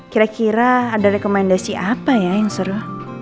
kira kira ada rekomendasi apa ya yang seru